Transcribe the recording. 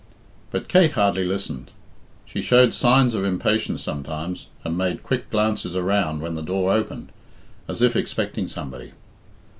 But Kate hardly listened. She showed signs of impatience sometimes, and made quick glances around when the door opened, as if expecting somebody.